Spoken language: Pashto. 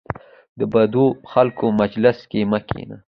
د بدو خلکو مجلس کې مه کینه .